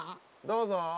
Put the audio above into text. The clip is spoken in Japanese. どうぞ。